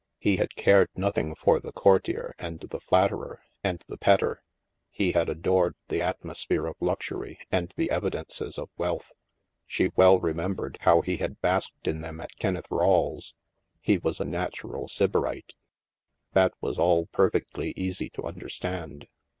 He had cared nothing for the courtier and the flatterer and the petter. He had adored the atmosphere of luxury and the evidences of wealth. She well remembered how he had basked in them at Kenneth Rawle's. He was a natural sybarite. That was all perfectly easy to understand.